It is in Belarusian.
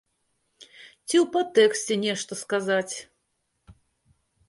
Ці ў падтэксце нешта сказаць.